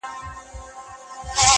چي زموږ څه واخله دا خيرن لاســـــونه.